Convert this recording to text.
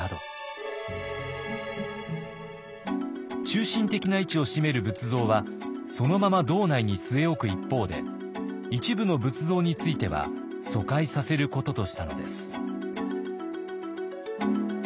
中心的な位置を占める仏像はそのまま堂内に据え置く一方で一部の仏像については疎開させることとしたのです。